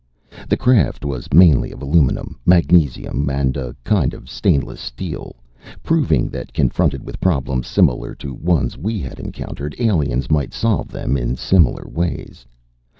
The craft was mainly of aluminum, magnesium and a kind of stainless steel, proving that, confronted with problems similar to ones we had encountered, aliens might solve them in similar ways.